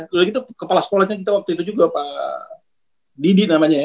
udah gitu kepala sekolahnya kita waktu itu juga pak didi namanya ya